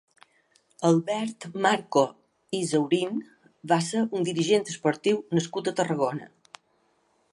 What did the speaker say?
Albert Marco i Zaurín va ser un dirigent esportiu nascut a Tarragona.